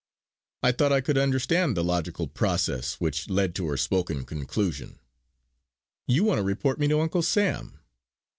I thought I could understand the logical process which led to her spoken conclusion: "You want to report me to 'Uncle Sam'."